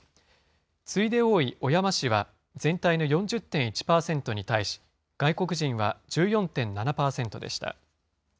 次いで多い小山市は、全体の４０．１％に対し、外国人は１４．７％でした。